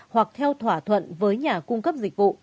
hoặc theo thỏa thuận với nhà cung cấp dịch vụ